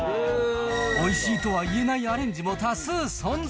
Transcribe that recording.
おいしいとはいえないアレンジも多数存在。